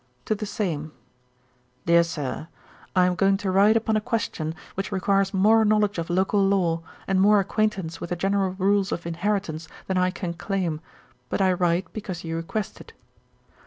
TO THE SAME. 'DEAR SIR, 'I am going to write upon a question which requires more knowledge of local law, and more acquaintance with the general rules of inheritance, than I can claim; but I write, because you request it.